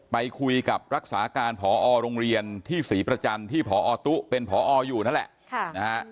ไปคุยกับรักษาการพอโรงเรียนที่ศรีประจันทร์ที่พอตุ๊เป็นพออยู่นั่นแหละ